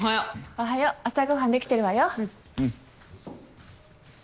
おはよう朝ごはん出来てるわよ。